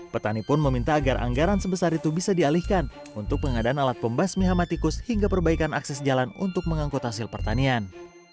petani pun meminta agar anggaran sebesar itu bisa dialihkan untuk pengadaan alat pembasmi hama tikus hingga perbaikan akses jalan untuk mengangkut hasil pertanian